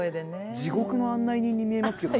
地獄の案内人に見えますけどね。